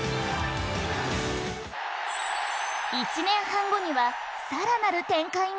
１年半後には更なる展開が！